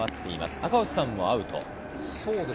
赤星さんもアウト。